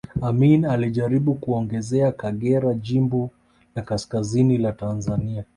Amin alijaribu kuongezea Kagera jimbo la kaskazini la Tanzania